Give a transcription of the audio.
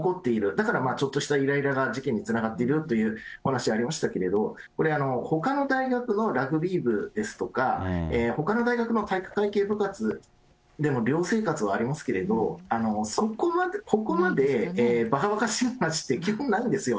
だからちょっとしたイライラが事件につながっているというお話ありましたけど、これ、ほかの大学のラグビー部ですとか、ほかの大学の体育会系部活でも寮生活はありますけど、ここまでばかばかしい話って基本ないんですよ。